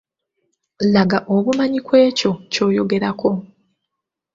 Laga obumanyi kw'ekyo ky'oygerako.